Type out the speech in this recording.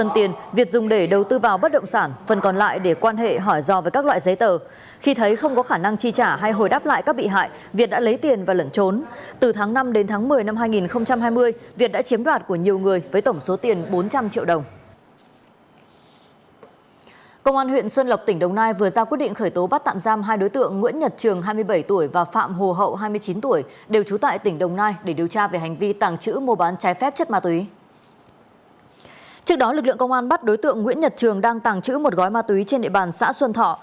trước đó lực lượng công an bắt đối tượng nguyễn nhật trường đang tàng trữ một gói ma túy trên địa bàn xã xuân thọ